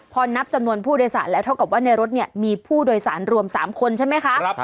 พอนับจำนวนผู้โดยสารแล้วเท่ากับว่าในรถเนี่ยมีผู้โดยสารรวม๓คนใช่ไหมคะ